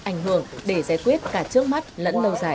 ảnh hưởng để giải quyết cả trước mắt lẫn lâu dài